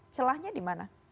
celahnya di mana